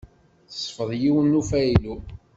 Tesfeḍ yiwen n ufaylu.